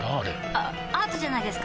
あアートじゃないですか？